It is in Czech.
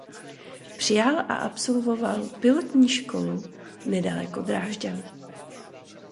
Přijal a absolvoval pilotní školu nedaleko Drážďan.